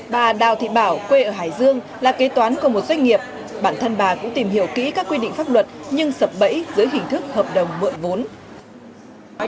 bà đào thị bảo quê ở hải dương là kế toán của một doanh nghiệp bản thân bà cũng tìm hiểu kỹ các quy định pháp luật nhưng sập bẫy dưới hình thức hợp đồng mượn vốn